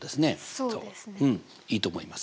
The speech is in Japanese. うんいいと思います。